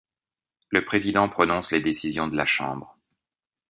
Le Président prononce les décisions de la Chambre.